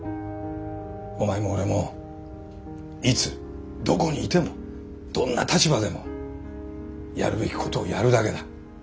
お前も俺もいつどこにいてもどんな立場でもやるべきことをやるだけだ。